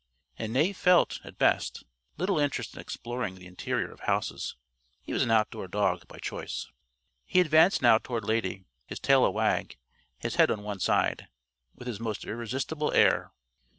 And Knave felt, at best, little interest in exploring the interior of houses. He was an outdoor dog, by choice. He advanced now toward Lady, his tail a wag, his head on one side, with his most irresistible air.